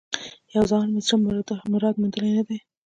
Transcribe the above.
یو زمان مي د زړه مراد موندلی نه دی